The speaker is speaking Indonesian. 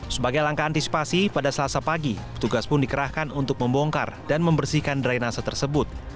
sebagai langkah antisipasi pada selasa pagi petugas pun dikerahkan untuk membongkar dan membersihkan drainase tersebut